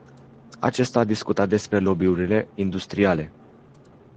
Acesta a discutat despre lobby-urile industriale.